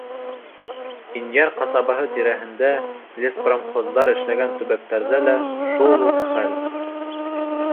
Инйәр ҡасабаһы тирәһендә, леспромхоздар эшләгән төбәктәрҙә лә шул уҡ хәл.